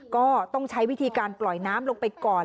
ก็ต้องใช้วิธีการปล่อยน้ำลงไปก่อน